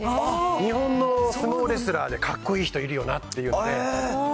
日本の相撲レスラーでかっこいい人いるよなって言って。